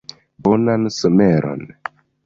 Bonan someron!